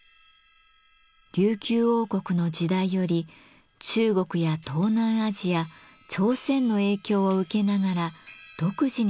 琉球王国の時代より中国や東南アジア朝鮮の影響を受けながら独自に発展しました。